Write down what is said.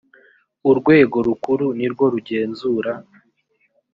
urwego rukuru nirwo rugenzura.